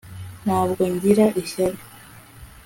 ntabwo ngira ishyari